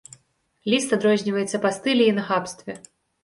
Ліст адрозніваецца па стылі і нахабстве.